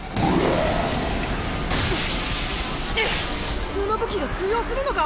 普通の武器が通用するのか？